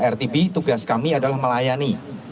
rtb tugas kami adalah melayani